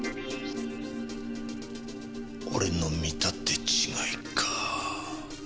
俺の見立て違いかぁ。